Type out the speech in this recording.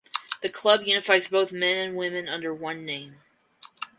The club unifies both men and women under one name.